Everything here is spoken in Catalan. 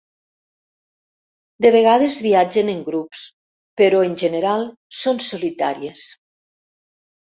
De vegades viatgen en grups però en general són solitàries.